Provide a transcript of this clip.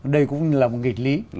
đây cũng là một nghịch lý